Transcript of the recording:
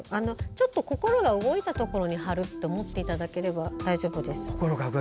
ちょっと心が動いたところに貼るって思っていただければ大丈夫です。